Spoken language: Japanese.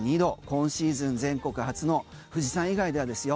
今シーズン全国初の富士山以外ではですよ